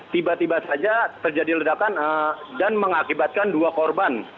tiba tiba saja terjadi ledakan dan mengakibatkan dua korban